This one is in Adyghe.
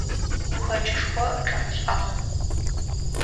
Гухэкӏышхо къехъулӏагъ.